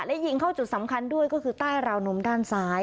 และยิงเข้าจุดสำคัญด้วยก็คือใต้ราวนมด้านซ้าย